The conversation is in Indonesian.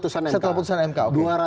setelah putusan mk